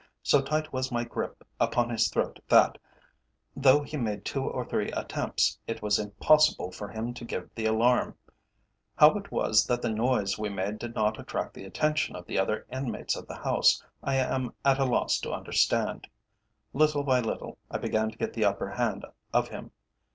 So tight was my grip upon his throat that, though he made two or three attempts, it was impossible for him to give the alarm. How it was that the noise we made did not attract the attention of the other inmates of the house, I am at a loss to understand. Little by little I began to get the upper hand of him.